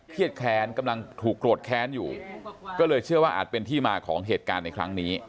แค้นกำลังถูกโกรธแค้นอยู่ก็เลยเชื่อว่าอาจเป็นที่มาของเหตุการณ์ในครั้งนี้